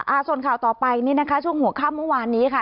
อ่าส่วนข่าวต่อไปนี่นะคะช่วงหัวข้ามเมื่อวานนี้ค่ะ